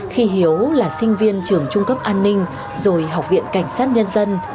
khi hiếu là sinh viên trường trung cấp an ninh rồi học viện cảnh sát nhân dân